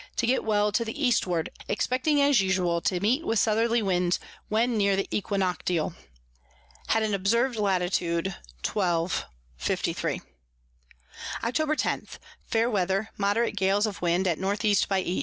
to get well to the Eastward, expecting as usual to meet with Southerly Winds, when near the Equinoctial. Had an Observ. Lat. 12. 53. Octob. 10. Fair Weather, moderate Gales of Wind at N E by E.